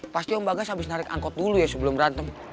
pasti om bagas abis narik angkot dulu ya sebelum rantem